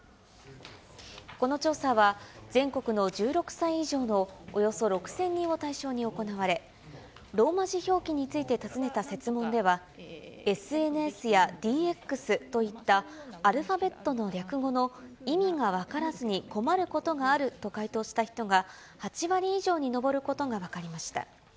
この調査は、全国の１６歳以上のおよそ６０００人を対象に行われ、ローマ字表記について尋ねた設問では、ＳＮＳやＤＸといったアルファベットの略語の意味が分からずに困ることがあると回答した人が８割以上に上ることが分かりました。